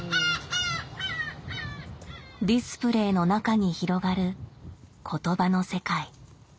ディスプレーの中に広がる言葉の世界。